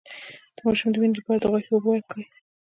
د ماشوم د وینې لپاره د غوښې اوبه ورکړئ